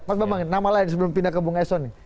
pak bambang nama lain sebelum pindah ke bunga eson